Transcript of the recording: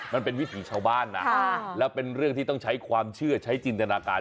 มันเป็นวิถีชาวบ้านนะแล้วเป็นเรื่องที่ต้องใช้ความเชื่อใช้จินตนาการ